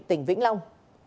tỉnh vĩnh long